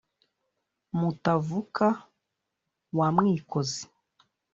mutavuka wa mwikozi